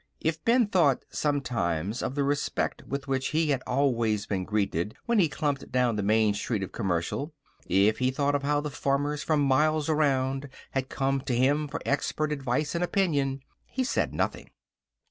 If Ben thought, sometimes, of the respect with which he had always been greeted when he clumped down the main street of Commercial if he thought of how the farmers for miles around had come to him for expert advice and opinion he said nothing.